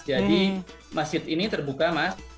jadi masjid ini terbuka mas